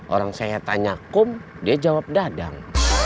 orang saya tanya kum dia jawab dadang